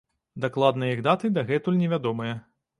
Дакладныя іх даты дагэтуль невядомыя.